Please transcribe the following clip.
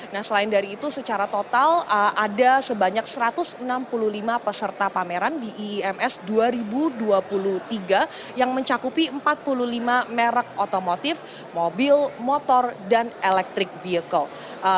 nah selain dari itu secara total ada sebanyak satu ratus enam puluh lima peserta pameran di iims dua ribu dua puluh tiga yang mencakupi empat puluh lima merek otomotif mobil motor dan electric vehicle